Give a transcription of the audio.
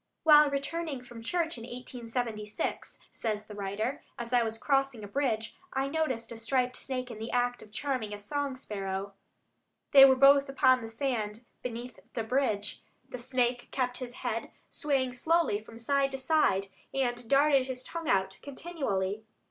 "While returning from church in 1876," says the writer, "as I was crossing a bridge... I noticed a striped snake in the act of charming a song sparrow. They were both upon the sand beneath the bridge. The snake kept his head swaying slowly from side to side, and darted his tongue out continually.